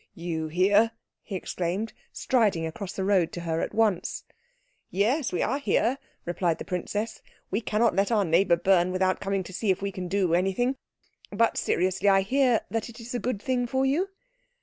"You here!" he exclaimed, striding across the road to her at once. "Yes, we are here," replied the princess. "We cannot let our neighbour burn without coming to see if we can do anything. But seriously, I hear that it is a good thing for you."